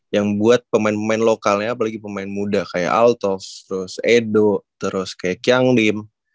yang buat pemain pemain lokalnya apalagi pemain muda kayak alters terus edo terus kayak kiang dim